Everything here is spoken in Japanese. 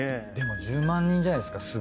でも１０万人じゃないっすか。